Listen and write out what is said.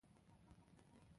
- د تنگي حوزه: